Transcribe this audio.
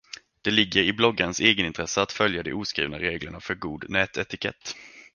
Det ligger i bloggarens egenintresse att följa de oskrivna reglerna för god nätetikett.